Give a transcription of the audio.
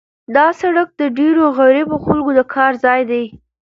دا سړک د ډېرو غریبو خلکو د کار ځای دی.